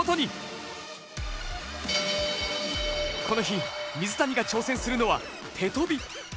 この日水谷が挑戦するのは手跳び。